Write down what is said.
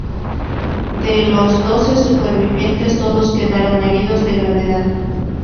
De los doce supervivientes, todos quedaron heridos de gravedad.